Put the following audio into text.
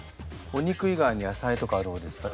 お肉以外に野菜とかはどうですか？